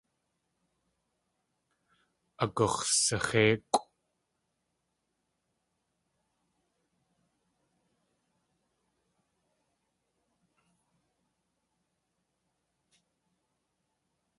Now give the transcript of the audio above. Agux̲saxéikʼw.